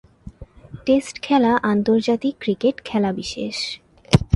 Test খেলা আন্তর্জাতিক cricket খেলাবিশেষ।